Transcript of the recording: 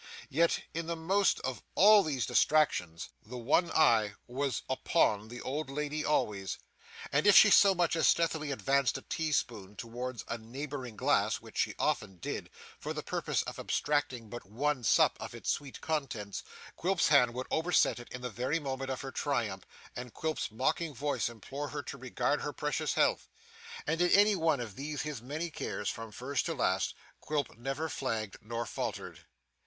Yet, in the most of all these distractions, the one eye was upon the old lady always, and if she so much as stealthily advanced a tea spoon towards a neighbouring glass (which she often did), for the purpose of abstracting but one sup of its sweet contents, Quilp's hand would overset it in the very moment of her triumph, and Quilp's mocking voice implore her to regard her precious health. And in any one of these his many cares, from first to last, Quilp never flagged nor faltered.